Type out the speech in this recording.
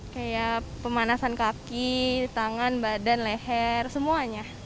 kayak pemanasan kaki tangan badan leher semuanya